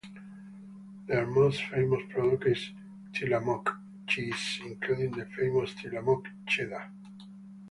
Their most famous product is Tillamook cheese, including the famous Tillamook Cheddar.